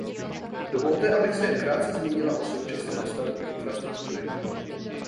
Dovolte, abych se jen krátce zmínila a současném stavu infrastruktury.